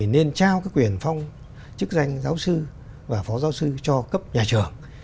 nên trao quyền phong chức danh giáo sư và phó giáo sư cho cấp nhà trường